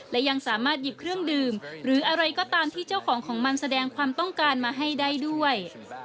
และยังสามารถหยิบเครื่องดื่มหรืออะไรก็ตามที่เจ้าของของมันแสดงความต้องการมาให้ได้ด้วย